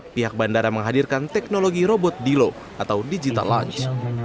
pihak bandara menghadirkan teknologi robot dilo atau digital launch